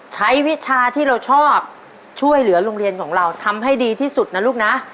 วิชาที่เราชอบช่วยเหลือโรงเรียนของเราทำให้ดีที่สุดนะลูกนะ